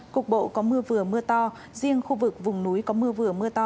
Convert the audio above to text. cục bộ có mưa vừa mưa to riêng khu vực vùng núi có mưa vừa mưa to